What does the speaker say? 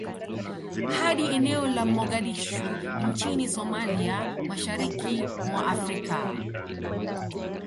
Hadi eneo la Mogadishu nchini Somalia mashariki mwa Afrika